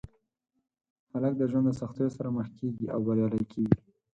هلک د ژوند د سختیو سره مخ کېږي او بریالی کېږي.